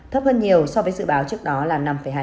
thấp hơn nhiều so với dự báo trước đó là năm hai